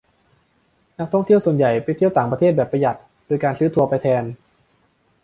นักท่องเที่ยวส่วนใหญ่ไปเที่ยวต่างประเทศแบบประหยัดโดยการซื้อทัวร์ไปแทน